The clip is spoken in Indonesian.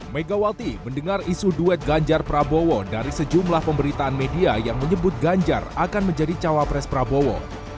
megawati mendengar isu duet ganjar prabowo dari sejumlah pemberitaan media yang menyebut ganjar akan menjadi cawapres prabowo